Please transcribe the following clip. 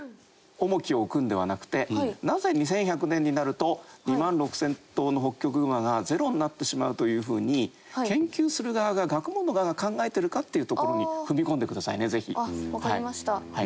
なぜ２１００年になると２万６０００頭のホッキョクグマがゼロになってしまうという風に研究する側が学問の側が考えてるかっていうところに踏み込んでくださいねぜひ。